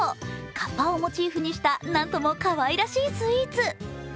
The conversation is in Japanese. かっぱをモチーフにした何ともかわいらしいスイーツ。